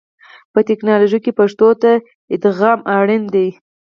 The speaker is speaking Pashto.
په ټکنالوژي کې پښتو ادغام اړین دی.